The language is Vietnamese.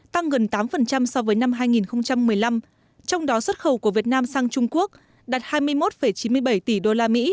tăng gần tám so với năm hai nghìn một mươi năm trong đó xuất khẩu của việt nam sang trung quốc đạt hai mươi một chín mươi bảy tỷ usd